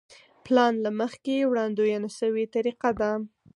پلان له مخکې وړاندوينه شوې طریقه ده.